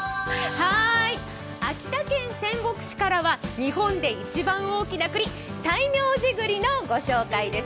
秋田県仙北市からは日本で一番大きなくり、西明寺栗のご紹介です。